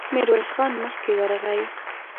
ميرويس خان مخکې ورغی.